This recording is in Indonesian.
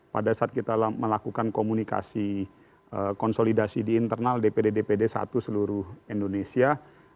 pada saat kita melakukan komunikasi konsolidasi di internal dpd dpd satu seluruh indonesia